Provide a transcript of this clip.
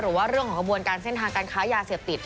หรือว่าเรื่องของกระบวนการเส้นทางการค้ายาเสพติด